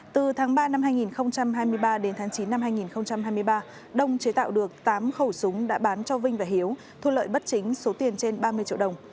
từ tháng ba năm hai nghìn hai mươi ba đến tháng chín năm hai nghìn hai mươi ba đông chế tạo được tám khẩu súng đã bán cho vinh và hiếu thu lợi bất chính số tiền trên ba mươi triệu đồng